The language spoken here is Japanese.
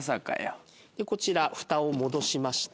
こちらフタを戻しまして。